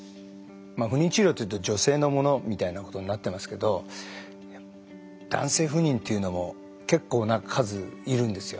不妊治療というと女性のものみたいなことになってますけど男性不妊というのも結構な数いるんですよね。